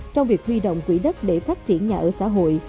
trong việc huy động quỹ đất để phát triển nhà ở xã hội